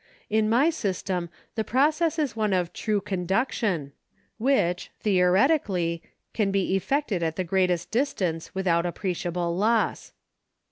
In my system the process is one of true conduction which, theoretically, can be effected at the greatest distance without appreciable loss."